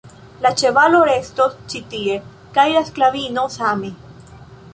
La ĉevalo restos ĉi tie, kaj la sklavino same.